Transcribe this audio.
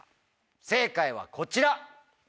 正解はこちら！